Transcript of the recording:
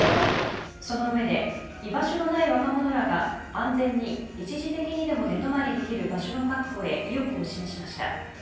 そのうえで居場所のない若者らが安全に一時的にでも寝泊まりできる場所の確保へ、意欲を示しました。